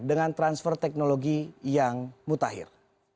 dengan transfer teknologi yang mutakhir